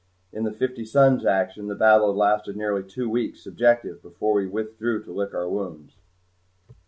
In the Fifty Suns action the battle had lasted nearly two weeks subjective before we withdrew to lick our wounds.